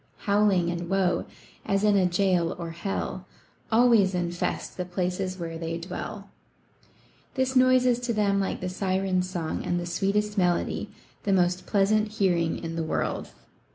Howling and woe, as in a jail or hell, Always infest the places where they dwell. This noise is to them like the Sirens' song and the sweet est melody, the most pleasant hearing in the world.